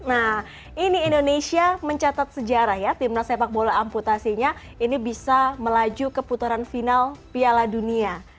nah ini indonesia mencatat sejarah ya timnas sepak bola amputasinya ini bisa melaju ke putaran final piala dunia